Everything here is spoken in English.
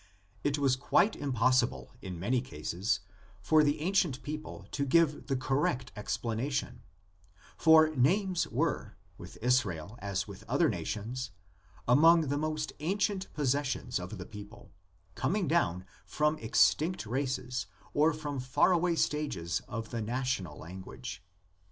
It was quite impossible in many cases for the ancient people to give the correct explanation, for names were, with Israel as with other nations, among the most ancient possessions of the people, coming down from extinct races or from far away •stages of the national language.